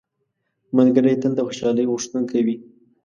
ملګری تل د خوشحالۍ غوښتونکی وي